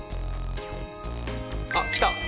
あっ来た。